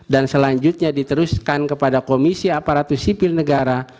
dan selanjutnya diteruskan kepada komisi aparatu sipil negara